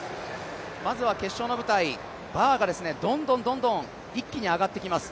まずは決勝の舞台、バーがどんどんどんどん一気に上がってきます。